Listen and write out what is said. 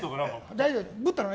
大丈夫。